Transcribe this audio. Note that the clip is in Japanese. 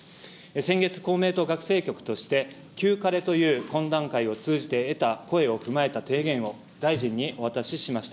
先月、公明党学生局として、きゅうかれという懇談会を通じて得た声を踏まえた提言を、大臣にお渡ししました。